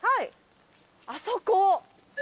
あそこ！